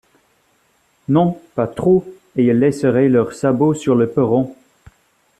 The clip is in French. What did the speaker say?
Non, pas trop, et ils laisseraient leurs sabots sur le perron.